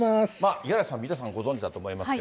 五十嵐さん、皆様ご存じだと思いますが。